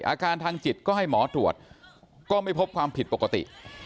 อาการทางจิตก็ให้หมอตรวจก็ไม่พบความผิดปกติ